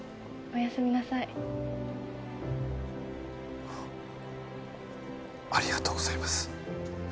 ☎おやすみなさい「ありがとうございます」